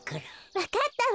わかったわ！